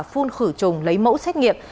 phun khử trùng lấy mẫu xét nghiệm